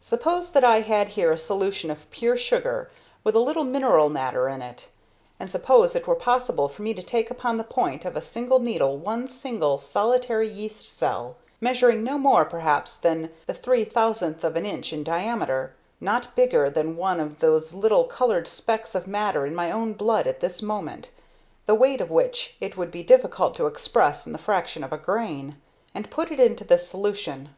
Suppose that I had here a solution of pure sugar with a little mineral matter in it; and suppose it were possible for me to take upon the point of a needle one single, solitary yeast cell, measuring no more perhaps than the three thousandth of an inch in diameter not bigger than one of those little coloured specks of matter in my own blood at this moment, the weight of which it would be difficult to express in the fraction of a grain and put it into this solution.